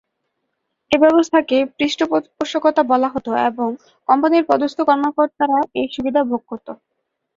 এ ব্যবস্থাকে ‘পৃষ্ঠপোষকতা’ বলা হতো এবং কোম্পানির পদস্থ কর্মকর্তারা এ সুবিধা ভোগ করত।